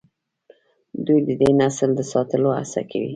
دوی د دې نسل د ساتلو هڅه کوي.